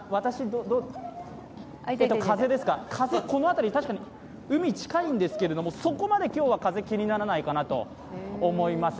風、この辺り、海近いんですけどそこまで今日は風は気にならないかなと思います。